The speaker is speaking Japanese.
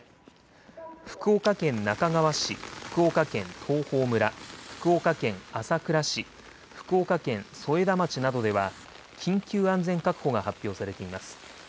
福岡県那珂川市、福岡県東峰村、福岡県朝倉市、福岡県添田町などでは、緊急安全確保が発表されています。